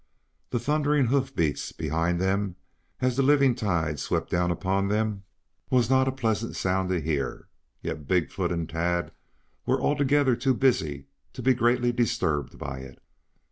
The thundering hoof beats behind them as the living tide swept down upon them, was not a pleasant sound to hear. Yet Big foot and Tad were altogether too busy to be greatly disturbed by it.